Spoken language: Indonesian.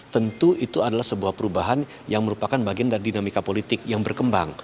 tentu itu adalah sebuah perubahan yang merupakan bagian dari dinamika politik yang berkembang